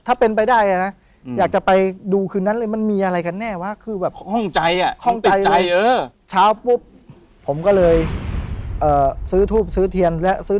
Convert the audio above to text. ถ้าเป็นไปได้น่ะอยากจะไปดูคืนนั้นเลยมันมีอะไรกันแน่วะคือแบบห้องใจอ่ะ